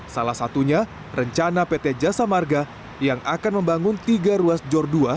salah satunya rencana pt jasa marga yang akan membangun tiga ruas jor dua